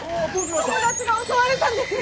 友達が襲われたんです！